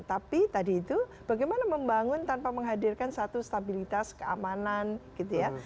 tapi tadi itu bagaimana membangun tanpa menghadirkan satu stabilitas keamanan gitu ya